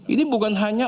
ini bukan hanya